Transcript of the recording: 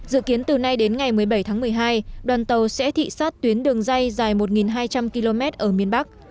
dự kiến từ nay đến ngày một mươi bảy tháng một mươi hai đoàn tàu sẽ thị sát tuyến đường dây dài một hai trăm linh km ở miền bắc